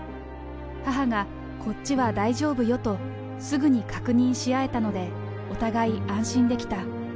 母が、こっちは大丈夫よと、すぐに確認し合えたので、お互い安心できた。